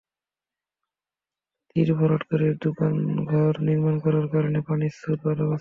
তীর ভরাট করে দোকানঘর নির্মাণ করার কারণে পানির স্রোত বাধাগ্রস্ত হবে।